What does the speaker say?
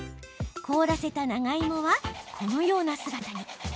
凍らせた長芋は、このような姿に。